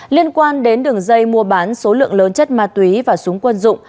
liên quan đến đường dây mua bán số lượng lớn chất ma túy và súng quân dụng